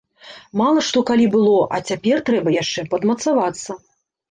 Мала што калі было, а цяпер трэба яшчэ падмацавацца.